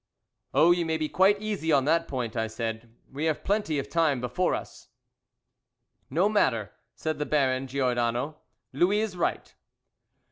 "Oh, you may be quite easy on that point," I said, "we have plenty of time before us." "No matter," said the Baron Giordano, "Louis is right."